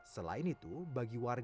selain itu bagi warga